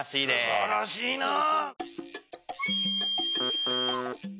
すばらしいなぁ。